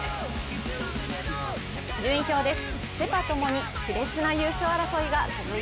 順位表です。